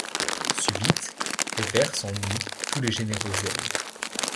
Subite, et verse en nous tous les généreux zèles